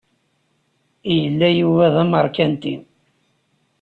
Yella Yuba d ameṛkanti.